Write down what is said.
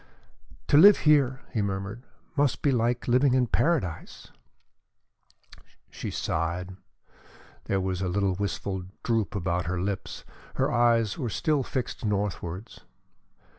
"To live here," he murmured, "must be like living in Paradise!" She sighed. There was a little wistful droop about her lips; her eyes were still fixed northwards.